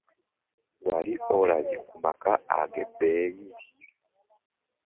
Wali olabye ku maka agebbeyi ?